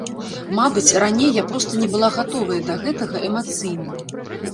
Мабыць, раней я проста не была гатовая да гэтага эмацыйна.